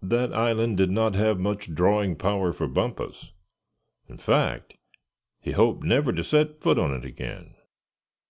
That island did not have much drawing power for Bumpus; in fact, he hoped never to set foot on it again.